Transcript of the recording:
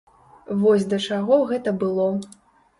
Вось да чаго гэта было.